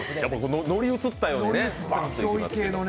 乗り移ったようにね。